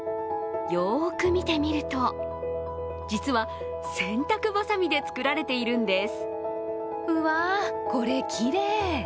よーく見てみると、実は洗濯ばさみで作られているんです。